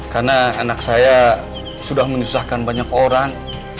karena anak saya sudah menyusahkan banyak orang